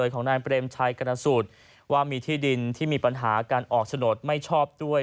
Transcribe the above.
ของนายเปรมชัยกรณสูตรว่ามีที่ดินที่มีปัญหาการออกโฉนดไม่ชอบด้วย